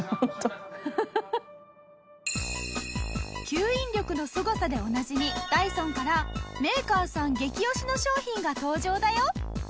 吸引力のすごさでおなじみダイソンからメーカーさん激押しの商品が登場だよ。